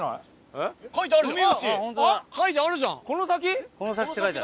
えっ書いてあんじゃん。